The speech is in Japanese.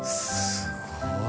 すごい。